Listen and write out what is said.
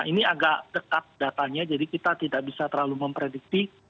ini agak dekat datanya jadi kita tidak bisa terlalu memprediksi